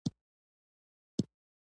دا د یوې نوعې نښه ده.